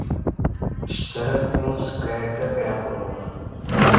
شترک اڅ کای کہ کای کولوم